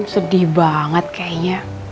sedih banget kayaknya